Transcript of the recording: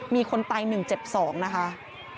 มีคนตาย๑เจ็บ๒นะคะ